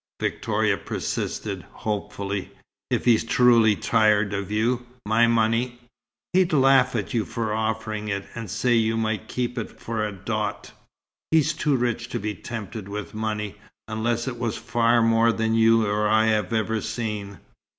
Victoria persisted, hopefully. "If he's truly tired of you, my money " "He'd laugh at you for offering it, and say you might keep it for a dot. He's too rich to be tempted with money, unless it was far more than you or I have ever seen.